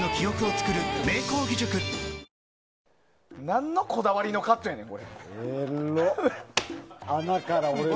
なんのこだわりのカットやねん。